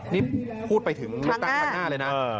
นี่พูดไปถึงเลือกตั้งครั้งหน้าเลยนะ